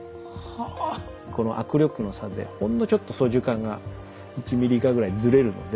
この握力の差でほんのちょっと操縦かんが１ｍｍ以下ぐらいずれるので。